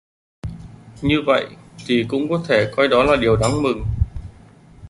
Như vậy thì cũng có thể coi đó là điều đáng mừng